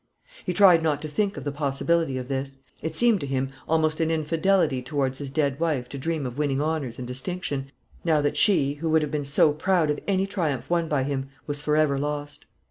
He tried not to think of the possibility of this. It seemed to him almost an infidelity towards his dead wife to dream of winning honours and distinction, now that she, who would have been so proud of any triumph won by him, was for ever lost.